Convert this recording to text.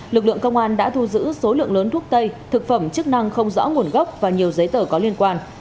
lực lượng công an đã thu giữ số lượng lớn thuốc tây thực phẩm chức năng không rõ nguồn gốc và nhiều giấy tờ có liên quan